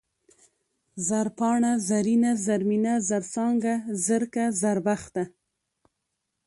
زرپاڼه ، زرينه ، زرمينه ، زرڅانگه ، زرکه ، زربخته